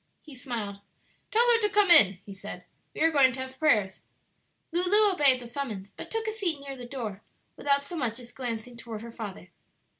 He smiled. "Tell her to come in," he said; "we are going to have prayers." Lulu obeyed the summons, but took a seat near the door, without so much as glancing toward her father.